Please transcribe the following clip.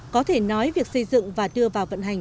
có thể nói việc xây dựng và đưa vào vận hành